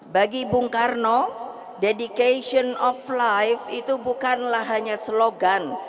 bagi bung karno dedication of life itu bukanlah hanya slogan